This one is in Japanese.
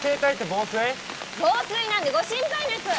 防水なんでご心配なく。